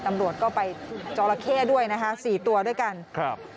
ตำรวจก็ไปจอละเข้ด้วยนะคะสี่ตัวด้วยกันครับ